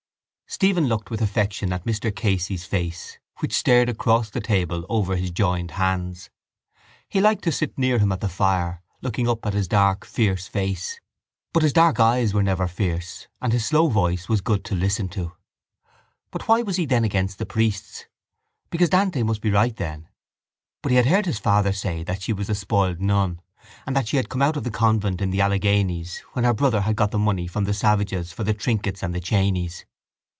Stephen looked with affection at Mr Casey's face which stared across the table over his joined hands. He liked to sit near him at the fire, looking up at his dark fierce face. But his dark eyes were never fierce and his slow voice was good to listen to. But why was he then against the priests? Because Dante must be right then. But he had heard his father say that she was a spoiled nun and that she had come out of the convent in the Alleghanies when her brother had got the money from the savages for the trinkets and the chainies.